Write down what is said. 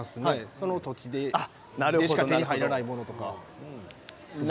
その土地でしか手に入らないものとかを。